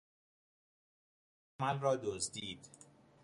پارچهٔ مخمل را دزدید